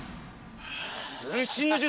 分身の術！？